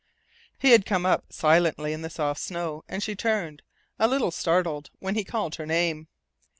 He had come up silently in the soft snow, and she turned, a little startled, when be called her name.